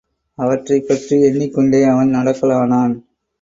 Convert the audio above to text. அவற்றைப்பற்றி எண்ணிக்கொண்டே அவன் நடக்கலானான்.